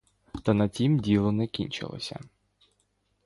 Та на тім діло не кінчилося.